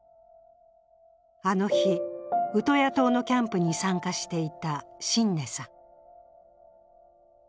あの日、ウトヤ島のキャンプに参加していたシンネさん。